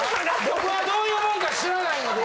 僕はどういうもんか知らないので。